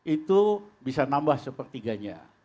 itu bisa nambah sepertiganya